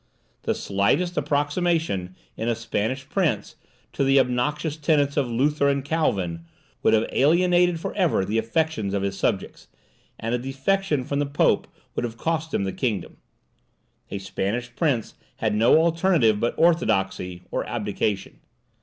The slightest approximation, in a Spanish prince, to the obnoxious tenets of Luther and Calvin, would have alienated for ever the affections of his subjects, and a defection from the Pope would have cost him the kingdom. A Spanish prince had no alternative but orthodoxy or abdication.